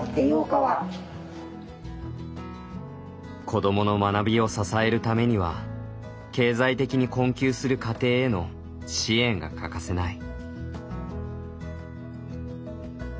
子どもの学びを支えるためには経済的に困窮する家庭への支援が欠かせない。